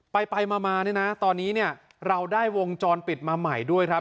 ไปไปมาเนี่ยนะตอนนี้เนี่ยเราได้วงจรปิดมาใหม่ด้วยครับ